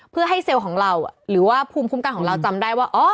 เพื่อให้เซลล์ของเราหรือว่าภูมิคุ้มกันของเราจำได้ว่า